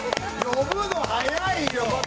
呼ぶの、早いよ！